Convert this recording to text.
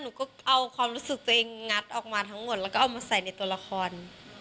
หนูก็เอาความรู้สึกตัวเองงัดออกมาทั้งหมดแล้วก็เอามาใส่ในตัวละคร